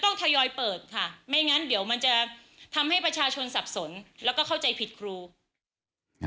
ไม่งั้นเดี๋ยวมันจะทำให้ประชาชนสับสนแล้วก็เข้าใจผิดครู